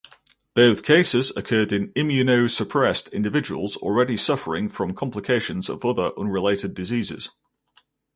Both cases occurred in immunosuppressed individuals already suffering from complications of other unrelated diseases.